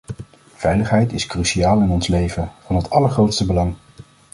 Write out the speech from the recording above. Veiligheid is cruciaal in ons leven, van het allergrootste belang.